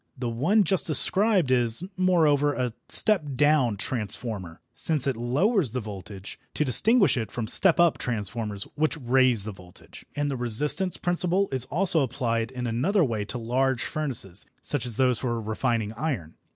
The one just described is, moreover, a "step down" transformer, since it lowers the voltage, to distinguish it from "step up" transformers, which raise the voltage. And the "resistance" principle is also applied in another way to large furnaces, such as those for refining iron.